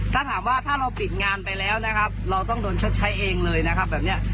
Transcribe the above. ถ้าถามว่าถ้าเราปิดงานไปแล้วนะครับเราต้องโดนชดใช้เองเลยนะครับแบบนี้